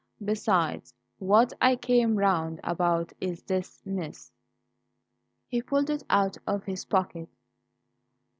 Besides, what I came round about is this MS." He pulled it out of his pocket.